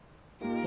え？